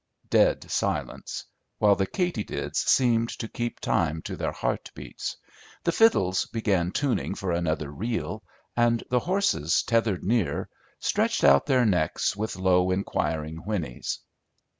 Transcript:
Dead silence, while the katydids seemed to keep time to their heart beats; the fiddles began tuning for another reel, and the horses, tethered near, stretched out their necks with low, inquiring whinnies.